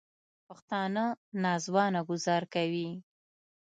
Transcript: پښتانه نا ځوانه ګوزار کوي